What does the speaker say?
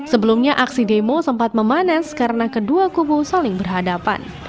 sebelumnya aksi demo sempat memanas karena kedua kubu saling berhadapan